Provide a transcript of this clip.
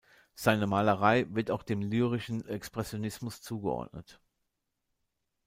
Seine Malerei wird auch dem Lyrischen Expressionismus zugeordnet.